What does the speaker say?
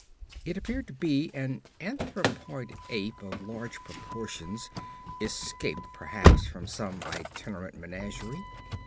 It appeared to be an anthropoid ape of large proportions, escaped, perhaps, from some itinerant menagerie.